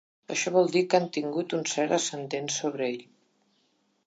Això vol dir que ha tingut un cert ascendent sobre ell.